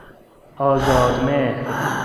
آزادمهر